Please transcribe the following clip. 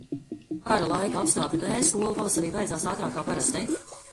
Kara laika apstākļu dēļ skola pavasarī beidzās ātrāk kā parasti.